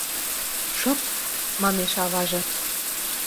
— Шып!.. — манеш аваже.